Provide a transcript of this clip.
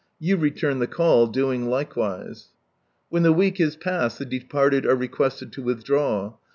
You return (he call, doing likewise. When the week is past, the departed are requested to withdraw.